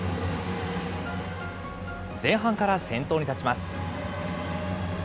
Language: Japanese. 前半から先頭に立ちます。